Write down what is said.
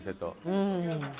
うん。